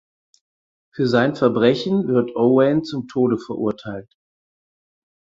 Für sein Verbrechen wird Owain zum Tode verurteilt.